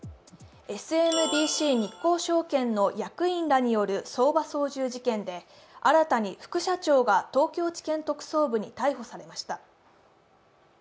ＳＭＢＣ日興証券の役員らによる相場操縦事件で新たに副社長が東京地検特捜部に逮捕されました。